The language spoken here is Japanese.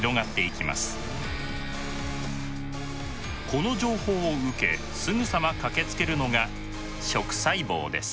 この情報を受けすぐさま駆けつけるのが「食細胞」です。